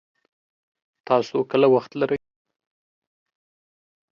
تاسو کله وخت لري